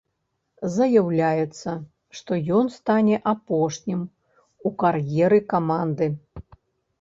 Заяўляецца, што ён стане апошнім у кар'еры каманды.